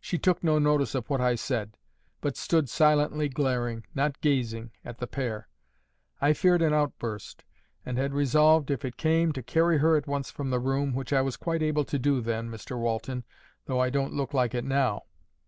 "She took no notice of what I said, but stood silently glaring, not gazing, at the pair. I feared an outburst, and had resolved, if it came, to carry her at once from the room, which I was quite able to do then, Mr Walton, though I don't look like it now.